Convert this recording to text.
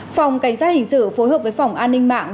phòng cảnh sát hình sự phối hợp với phòng an ninh mạng